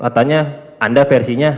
katanya anda versinya